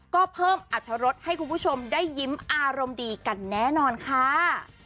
ก็เพิ่มอัตรรสให้คุณผู้ชมได้ยิ้มอารมณ์ดีกันแน่นอนค่ะ